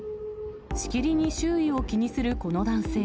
しきりに周囲を気にするこの男性。